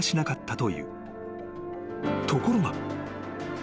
［ところが］